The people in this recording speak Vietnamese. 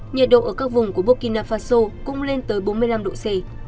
nhiệt độ ở các vùng của burkina faso cũng lên tới bốn mươi năm độ c